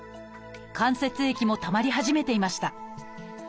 関節液もたまり始めていました。